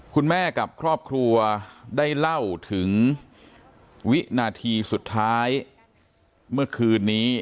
คุณแม่กับครอบครัวได้เล่าถึงวินาทีสุดท้ายเมื่อคืนนี้